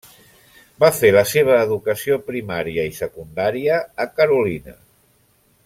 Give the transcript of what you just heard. Va fer la seva educació primària i secundària a Carolina.